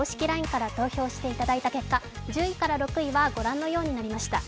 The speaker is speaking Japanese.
ＬＩＮＥから投票していただいた結果、１０位から６位はご覧のようになりました。